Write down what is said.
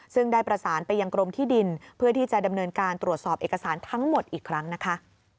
ซึ่งได้ประสานไปยังกรมที่ดินเพื่อที่จะดำเนินการตรวจสอบเอกสารทั้งหมดอีกครั้งนะคะ